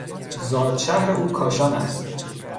زادشهر او کاشان است.